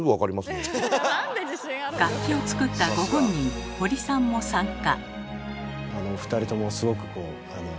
楽器を作ったご本人堀さんも参加。